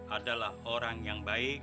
adalah orang yang baik